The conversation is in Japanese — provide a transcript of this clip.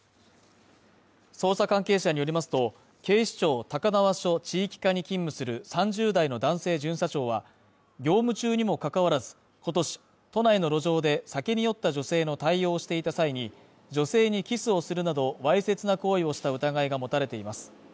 捜査関係者によりますと、警視庁高輪署地域課に勤務する３０代の男性巡査長は業務中にも関わらず、今年都内の路上で、酒に酔った女性の対応をしていた際に、女性にキスをするなどわいせつな行為をした疑いが持たれています。